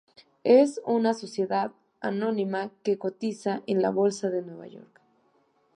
Es una sociedad anónima que cotiza en la Bolsa de Nueva York.